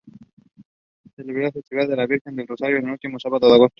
Celebra la festividad de la Virgen del Rosario el último sábado de agosto.